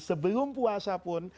sebelum puasa pun